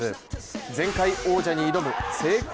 前回王者に挑む聖光